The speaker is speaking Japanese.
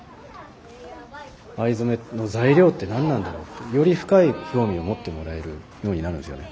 藍染めの材料って何なんだろうってより深い興味を持ってもらえるようになるんですよね。